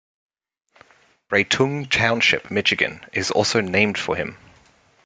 Breitung Township, Michigan is also named for him.